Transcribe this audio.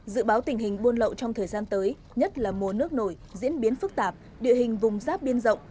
dự báo tình hình buôn lậu trong thời gian tới nhất là mùa nước nổi diễn biến phức tạp địa hình vùng giáp biên rộng